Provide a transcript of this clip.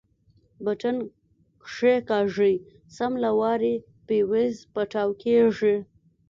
بټن کښېکاږي سم له وارې فيوز پټاو کېږي.